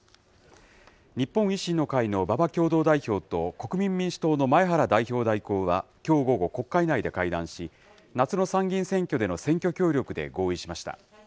日本維新の会の馬場共同代表と国民民主党の前原代表代行はきょう午後、国会内で会談し、夏の参議院選挙での選挙協力で合意しました。